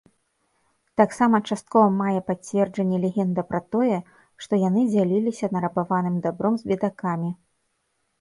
Таксама часткова мае пацверджанне легенда пра тое, што яны дзяліліся нарабаваным дабром з бедакамі.